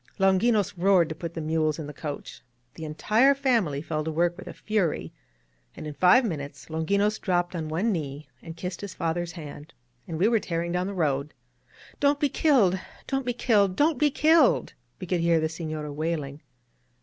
Longinos roared to put the mules in the coach. The entire family fell to work with a fury, and in five min utes Longinos dropped on one knee and kissed his father's hand, and we were tearing down the road. "Don't be killed ! Don't be killed! Don't be killed!" we could hear the Sefiora wailing.